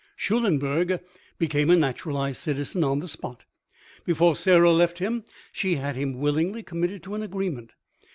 Schulenberg became a naturalised citizen on the spot. Before Sarah left him she had him willingly committed to an agreement.